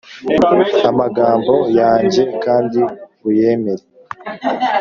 amagambo yanjye kandi uyemere